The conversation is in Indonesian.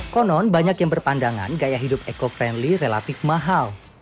konon banyak yang berpandangan gaya hidup eco friendly relatif mahal